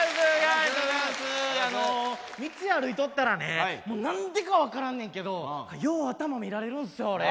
道歩いとったらねもう何でか分からんねんけどよう頭見られるんすよ俺。